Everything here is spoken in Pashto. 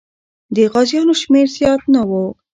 د غازیانو شمېر زیات نه و.